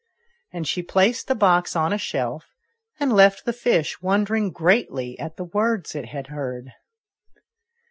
And she placed the box on a shelf, and left the fish wondering greatly at the words it had heard.